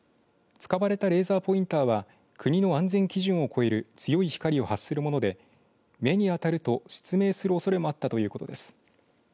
使われたレーザーポインターは国の安全基準を超える強い光を発するもので目にあたると失明するおそれもあったということです。